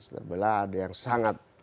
terbelah ada yang sangat